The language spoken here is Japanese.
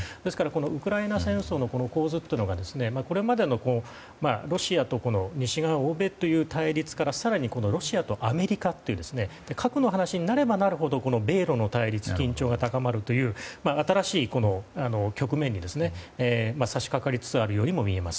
ウクライナ戦争の構図というのがこれまでの、ロシアと西側・欧米という対立から更にロシアとアメリカという核の話になればなるほど米ロの対立、緊張が高まるという新しい局面に差し掛かりつつあるようにも見えます。